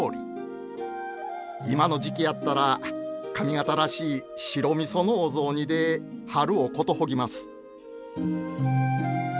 今の時期やったら上方らしい白みそのお雑煮で春をことほぎます。